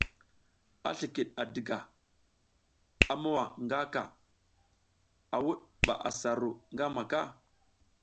A slikid a diga, a mowa nga ka, a wud ba asa ru ngamaka.